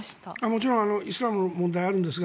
もちろんイスラムの問題もあるんですが